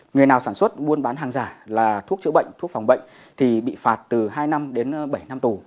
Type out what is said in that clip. người nào sản xuất buôn bán hàng giả là thuốc chữa bệnh thuốc phòng bệnh thì bị phạt từ hai năm đến bảy năm tù